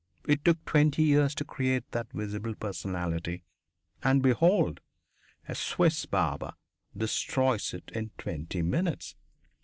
"It took twenty years to create that visible personality and behold, a Swiss barber destroys it in twenty minutes!